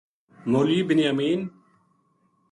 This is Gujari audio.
مولوی بنیامین